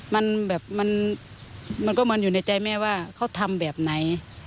มันแบบมันก็มันอยู่ในใจแม่ว่าเขาทำแบบไหน